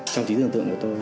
trong trí tưởng tượng của tôi